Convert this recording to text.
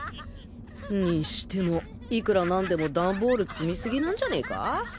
にしてもいくら何でもダンボール積みすぎなんじゃねか？